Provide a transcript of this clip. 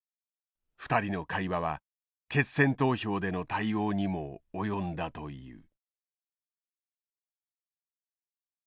２人の会話は決選投票での対応にも及んだという。